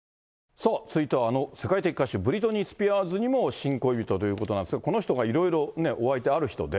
さあ続いては、あの世界的歌手、ブリトニー・スピアーズにも新恋人ということなんですが、この人がいろいろお相手ある人で。